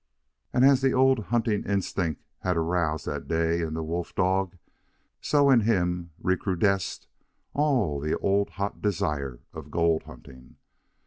And as the old hunting instincts had aroused that day in the wolf dog, so in him recrudesced all the old hot desire of gold hunting.